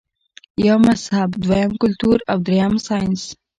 يو مذهب ، دويم کلتور او دريم سائنس -